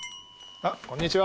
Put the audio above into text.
あっこんにちは。